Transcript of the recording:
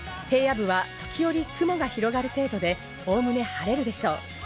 平野部は時おり雲が広がる程度でおおむね晴れるでしょう。